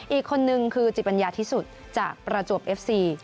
อีกคนนึงคือจิตปัญญาที่สุดจากประจวบเอฟซี